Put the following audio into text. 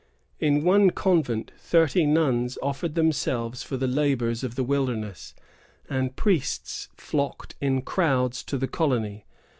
In one convent, thirty nuns offered themselves for the labors of the wilderness; and priests flocked in crowds to the colony.